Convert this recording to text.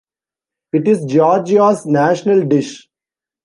It is Georgia's national dish.